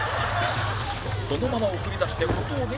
そのまま送り出して小峠に軍配